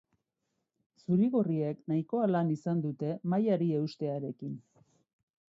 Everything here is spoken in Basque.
Zuri-gorriek nahikoa lan izan dute mailari eustearekin.